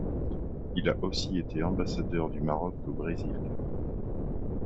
Il a aussi été ambassadeur du Maroc au Brésil.